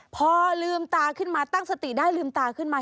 พอลืมตาขึ้นมาตั้งสติได้ลืมตาขึ้นมา